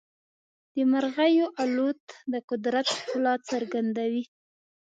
د مرغیو الوت د قدرت ښکلا څرګندوي.